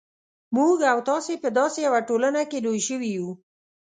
موږ او تاسې په داسې یوه ټولنه کې لوی شوي یو.